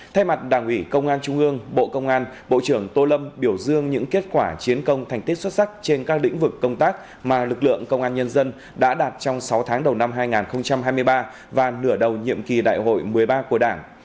thay mặt đảng ủy công an trung ương bộ công an bộ trưởng tô lâm biểu dương những kết quả chiến công thành tích xuất sắc trên các lĩnh vực công tác mà lực lượng công an nhân dân đã đạt trong sáu tháng đầu năm hai nghìn hai mươi ba và nửa đầu nhiệm kỳ đại hội một mươi ba của đảng